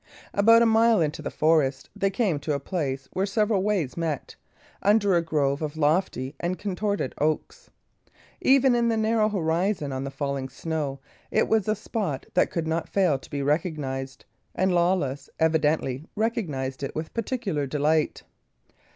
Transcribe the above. About a mile into the forest they came to a place where several ways met, under a grove of lofty and contorted oaks. Even in the narrow horizon of the falling snow, it was a spot that could not fail to be recognised; and Lawless evidently recognised it with particular delight.